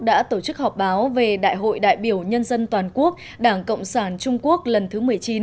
đã tổ chức họp báo về đại hội đại biểu nhân dân toàn quốc đảng cộng sản trung quốc lần thứ một mươi chín